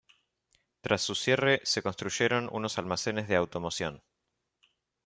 Tras su cierre, se construyeron unos almacenes de automoción.